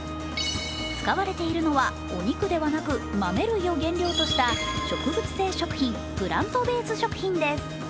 使われているのはお肉ではなく豆類を原料とした植物性食品＝プラントベース食品です。